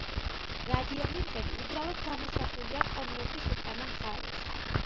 რადიომიმღები უბრალოდ გამოსახულია კონვერტის უკანა მხარეს.